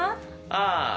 ああ。